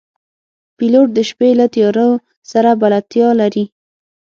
پیلوټ د شپې له تیارو سره بلدتیا لري.